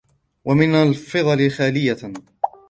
وَمِنْ الْفَضْلِ خَالِيَةً